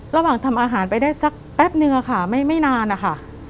ระหว่างทำอาหารไปได้สักแป๊บนึงค่ะไม่นานนะคะ